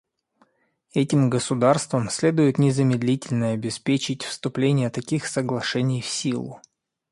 Этим государствам следует незамедлительно обеспечить вступление таких соглашений в силу.